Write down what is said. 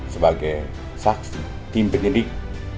sebagai saksi tim penyelidik